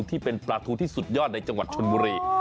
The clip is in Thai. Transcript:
ที่เป็นปลาทูที่สุดยอดในจังหวัดชนบุรี